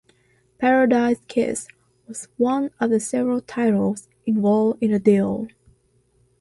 "Paradise Kiss" was one of several titles involved in the deal.